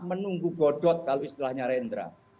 menunggu godot kalau istilahnya rendra